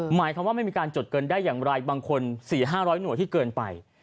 หมายความว่าไม่มีการจดเงินได้อย่างไรบางคน๔๕๐๐หน่วยที่เกินไป